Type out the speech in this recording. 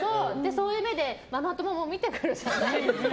そういう目でママ友も見てくるじゃないですか。